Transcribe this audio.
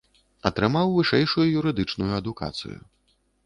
Атрымаў вышэйшую юрыдычную адукацыю.